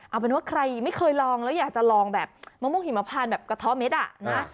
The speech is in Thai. เอาเป็นว่าใครไม่เคยลองแล้วอยากจะลองแบบมะม่วงหิมพานแบบกระท้อเม็ดอ่ะนะ